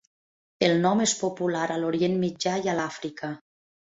El nom és popular a l'Orient Mitjà i a l'Àfrica.